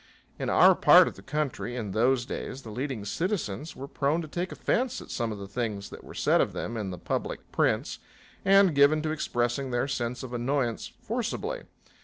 In our part of the country in those days the leading citizens were prone to take offense at some of the things that were said of them in the public prints and given to expressing their sense of annoyance forcibly.